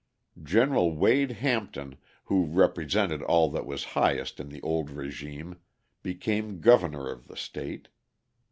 General Wade Hampton, who represented all that was highest in the old régime, became governor of the state.